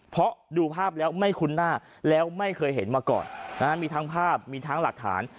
เพราะดูภาพแล้วไม่คุ้นหน้าแล้วไม่เคยเห็นมาก่อนมีทั้งภาพมีทั้งหลักฐาน